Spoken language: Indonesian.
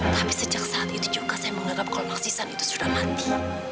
tapi sejak saat itu juga saya menganggap kalau maksisan itu sudah mati